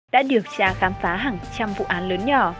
đã được cha khám phá hàng trăm vụ án lớn nhỏ